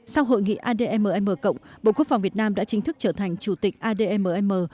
sau hội nghị admm cộng bộ quốc phòng việt nam đã chính thức trở thành chủ tịch admm